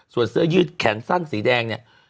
ส่วนเสื้อยืดแขนสั้นสีแดงเนี่ย